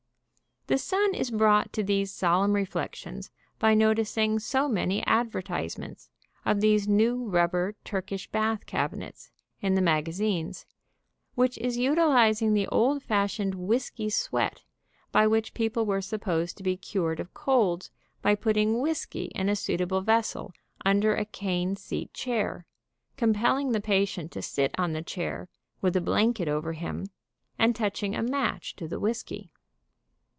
The Sun is brought to these solemn reflections by noticing so many advertisements of these new rubber Turkish bath cabinets, in the magazines, which is utilizing the old fashioned whisky sweat, by which people were supposed to be cured of colds by putting whisky in a suitable vessel under a cane seat chair, compelling the patient to sit on the chair with a blanket over him and touching a match to the whisky.